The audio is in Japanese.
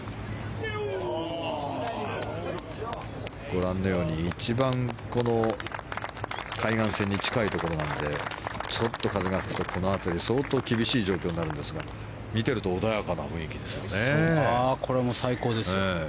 ご覧のように、一番海岸線に近いところなのでちょっと風が吹くとこの辺り相当厳しい状況になるんですが見ていると穏やかな雰囲気ですよね。